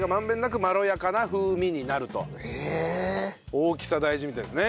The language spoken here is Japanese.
大きさ大事みたいですね。